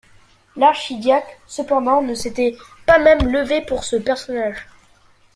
L’archidiacre cependant ne s’était pas même levé pour ce personnage.